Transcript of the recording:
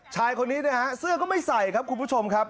ชายคนนี้นะฮะเสื้อก็ไม่ใส่ครับคุณผู้ชมครับ